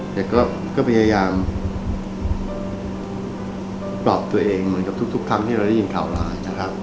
แต่ก็พยายามปรับตัวเองเหมือนกับทุกครั้งที่เราได้ยินข่าวมานะครับ